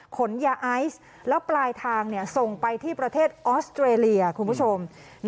ขนยาไอซ์แล้วปลายทางส่งไปที่ประเทศออสเตรเลียคุณผู้ชม